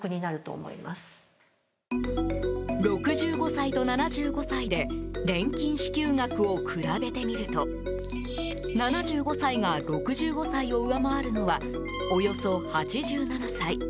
６５歳と７５歳で年金支給額を比べてみると７５歳が６５歳を上回るのはおよそ８７歳。